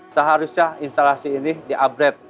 seharusnya instalasi ini diupgrade